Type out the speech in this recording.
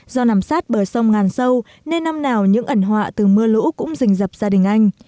do nằm sát bờ sông ngàn sâu nên năm nào những ẩn họa từ mưa lũ cũng rình dập gia đình anh